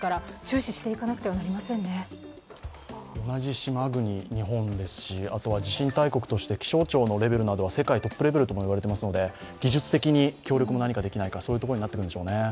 同じ島国・日本ですし、あとは地震大国として気象庁のレベルなどは世界トップレベルともいわれていますので技術的に協力も何かできないか、そういうところになってくるんでしょぅね。